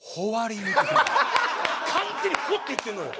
完全に「ほ」って言ってんのよ。